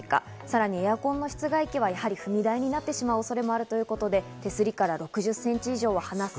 さらにエアコンの室外機は踏み台になってしまう恐れもあるということで、手すりから６０センチ以上は離す。